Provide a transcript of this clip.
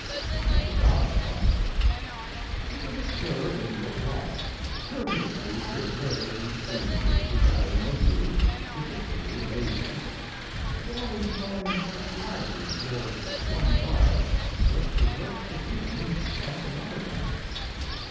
AT THE DOG FIGHT If it occur in your block, courteously give way to strangers desiring a view, particularly ladies. Avoid showing partiality toward the one dog, lest you hurt the feelings of the other one.